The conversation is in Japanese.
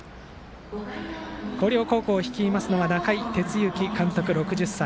広陵高校を率いますのは中井哲之監督、６０歳。